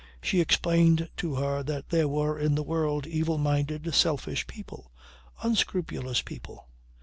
She explained to her that there were in the world evil minded, selfish people. Unscrupulous people